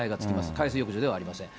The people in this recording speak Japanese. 海水浴場ではありません。